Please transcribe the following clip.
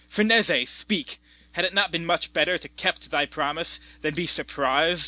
Ferneze, speak; had it not been much better To kept thy promise than be thus surpris'd?